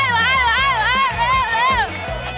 เร็ว